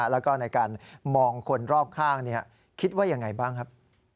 แล้วก็ในการมองคนรอบข้างคิดว่ายังไงบ้างครับ